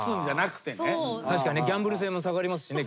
ギャンブル性も下がりますしね。